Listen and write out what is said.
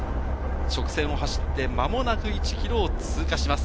直線を走って間もなく１ｋｍを通過します。